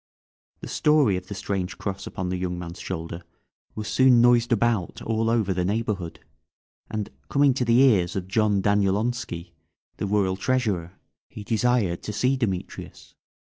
The story of the strange cross upon the young man's shoulder was soon noised about all over the neighbourhood, and coming to the ears of John Danielonski, the Royal Treasurer, he desired to see Demetrius.